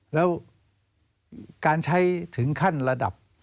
แล้วการใช้ถึงขั้นระดับ